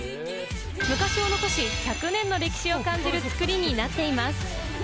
昔を残し、１００年の歴史を感じる作りになっています。